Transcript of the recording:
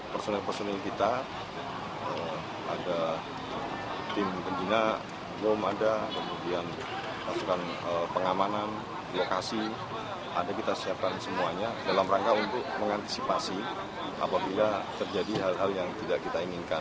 personel personel kita ada tim pendina bom ada pasukan pengamanan lokasi ada kita siapkan semuanya dalam rangka untuk mengantisipasi apabila terjadi hal hal yang tidak kita inginkan